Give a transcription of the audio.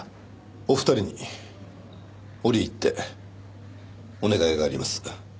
お二人に折り入ってお願いがあります。